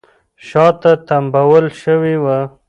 شاته تمبول شوې وه